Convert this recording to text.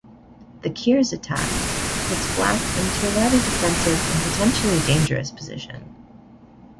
The Keres Attack puts Black into a rather defensive and potentially dangerous position.